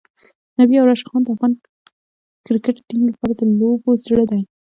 نبی او راشدخان د افغان کرکټ ټیم لپاره د لوبو زړه دی.